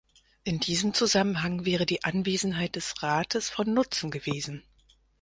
In diesem Zusammenhang wäre die Anwesenheit des Rates von Nutzen gewesen.